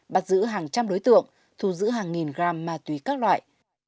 bắt giữ hàng trăm đối tượng thu giữ hàng nghìn g ma túy các loại